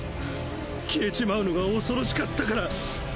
消えちまうのが恐ろしかったから